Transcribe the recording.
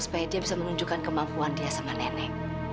supaya dia bisa menunjukkan kemampuan dia sama nenek